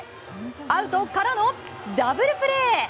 アウトからのダブルプレー！